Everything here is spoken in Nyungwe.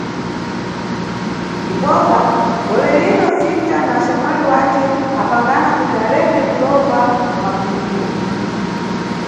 Ndipopa, golerino, Sinta na axamwali wace apangana kuti aleke kulova ku mapfundziro.